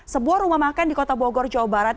sebuah rumah makan di kota bogor jawa barat